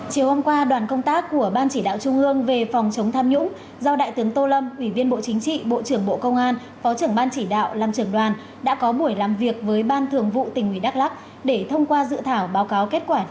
chiều hôm qua đoàn công tác của ban chỉ đạo trung ương về phòng chống tham nhũng do đại tướng tô lâm ủy viên bộ chính trị bộ trưởng bộ công an phó trưởng ban chỉ đạo làm trưởng đoàn đã có buổi làm việc với ban thường vụ tỉnh ủy đắk lắc để thông qua dự thảo báo cáo kết quả